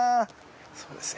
そうですね